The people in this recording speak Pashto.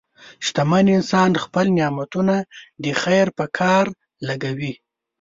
شتمن انسان خپل نعمتونه د خیر په کار لګوي.